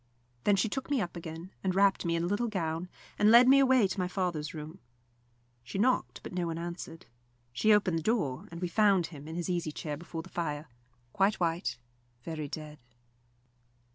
Then she took me up again, and wrapped me in a little gown, and led me away to my father's room. She knocked, but no one answered. She opened the door, and we found him in his easy chair before the fire, very white, quite dead.